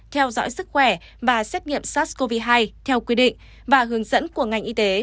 theo dõi sức khỏe và xét nghiệm sars cov hai theo quy định và hướng dẫn của ngành y tế